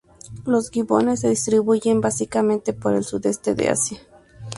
Los gibones se distribuyen básicamente por el Sudeste de Asia.